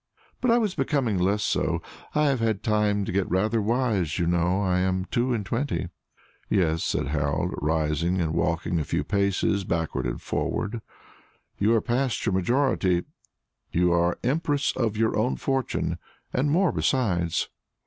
"But I was becoming less so. I have had time to get rather wise, you know; I am two and twenty." "Yes," said Harold, rising and walking a few paces backward and forward, "you are past your majority; you are empress of your own fortunes and more besides."